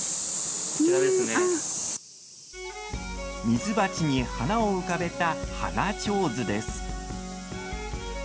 水鉢に花を浮かべた花ちょうずです。